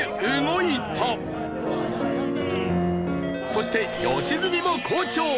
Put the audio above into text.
そして良純も好調！